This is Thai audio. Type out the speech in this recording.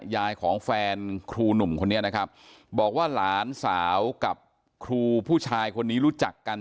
ยายของแฟนครูหนุ่มคนนี้นะครับบอกว่าหลานสาวกับครูผู้ชายคนนี้รู้จักกัน